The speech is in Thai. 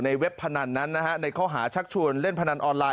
เว็บพนันนั้นนะฮะในข้อหาชักชวนเล่นพนันออนไลน